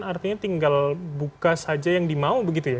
artinya tinggal buka saja yang dimau begitu ya